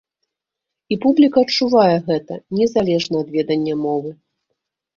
І публіка адчувае гэта, незалежна ад ведання мовы.